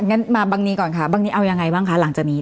งั้นมาบังนี้ก่อนค่ะบังนี้เอายังไงบ้างคะหลังจากนี้